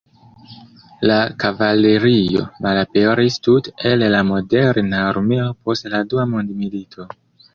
La kavalerio malaperis tute el la moderna armeo post la Dua Mondmilito.